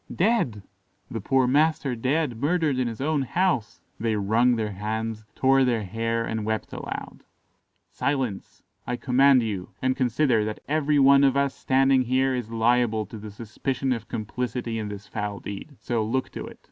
"Dead! the poor master dead, murdered in his own house." They wrung their hands, tore their hair, and wept aloud. "Silence! I command you; and consider that every one of us standing here is liable to the suspicion of complicity in this foul deed; so look to it.